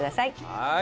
はい。